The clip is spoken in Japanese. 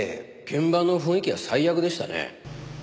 現場の雰囲気は最悪でしたね。